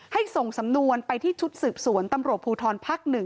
ส่งสำนวนไปที่ชุดสืบสวนตำรวจภูทรภักดิ์๑